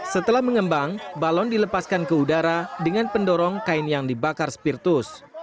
setelah mengembang balon dilepaskan ke udara dengan pendorong kain yang dibakar spirtus